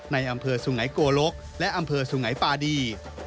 ในอำเภอสุไงโกลกและอำเภอสุงัยปาดี